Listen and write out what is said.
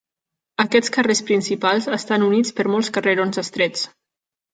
Aquests carrers principals estan units per molts carrerons estrets.